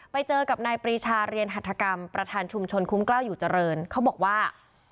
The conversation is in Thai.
ไปเจอกับนายปรีชาเรียนหัฐกรรมประธานชุมชนคุ้มกล้าวอยู่เจริญเขาบอกว่า